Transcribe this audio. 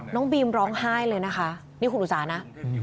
น้องบีมร้องไห้เลยนะคะนี่คุณอุสานะ